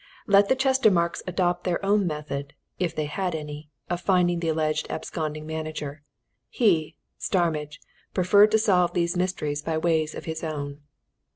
Let the Chestermarkes adopt their own method if they had any of finding the alleged absconding manager; he, Starmidge, preferred to solve these mysteries by ways of his own.